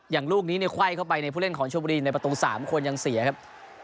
ลูกนี้เนี่ยไขว้เข้าไปในผู้เล่นของชมบุรีในประตู๓คนยังเสียครับ